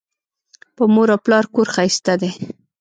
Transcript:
په مور او پلار کور ښایسته دی